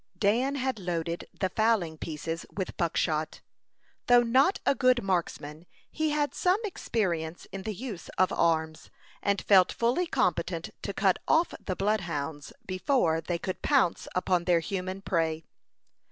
Dan had loaded the fowling pieces with buckshot. Though not a good marksman, he had some experience in the use of arms, and felt fully competent to cut off the bloodhounds before they could pounce upon their human prey.